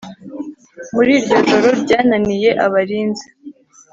muri iryo joro ryananiye abarinzi